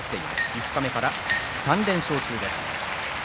五日目から３連勝中です。